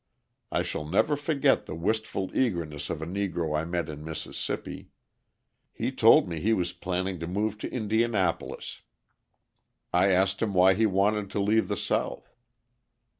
I shall never forget the wistful eagerness of a Negro I met in Mississippi. He told me he was planning to move to Indianapolis. I asked him why he wanted to leave the South.